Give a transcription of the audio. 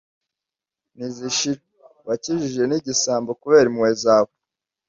ntizishira, wakijije n'igisambo, kubera impuhwe zawe